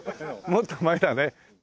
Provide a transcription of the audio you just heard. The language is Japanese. もっと前だね。